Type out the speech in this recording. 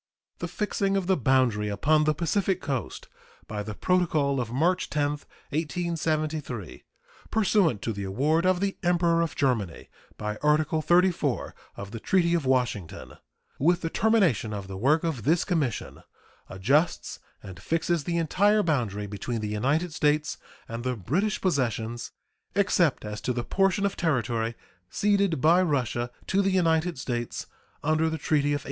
The fixing of the boundary upon the Pacific coast by the protocol of March 10, 1873, pursuant to the award of the Emperor of Germany by Article XXXIV of the treaty of Washington, with the termination of the work of this commission, adjusts and fixes the entire boundary between the United States and the British possessions, except as to the portion of territory ceded by Russia to the United States under the treaty of 1867.